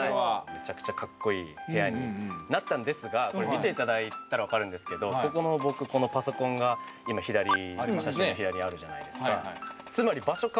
めちゃくちゃかっこいい部屋になったんですがこれ見ていただいたら分かるんですけどここの僕このパソコンが今左にあるじゃないですか。